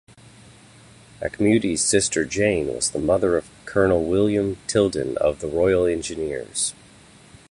Auchmuty's sister Jane was the mother of Colonel William Tylden of the Royal Engineers.